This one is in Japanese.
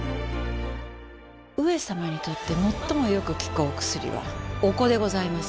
上様にとってもっともよく効くお薬はお子でございます。